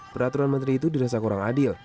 peraturan menteri itu dirasa kurang adil